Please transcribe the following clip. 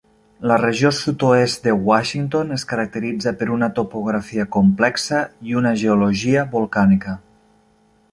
La regió sud-oest de Washington es caracteritza per una topografia complexa i una geologia volcànica.